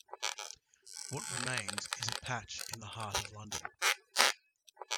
What remains is a patch in the heart of London.